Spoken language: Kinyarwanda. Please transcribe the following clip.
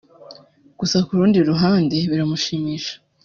gusa ku rundi ruhande biramushimisha